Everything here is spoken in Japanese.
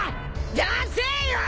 出せよー！！